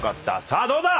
さあどうだ